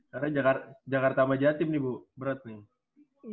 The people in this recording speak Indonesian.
karena jakarta maja tim nih bu berat nih